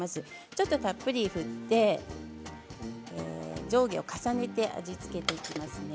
ちょっとたっぷり振って上下を重ねて味を付けていきますね。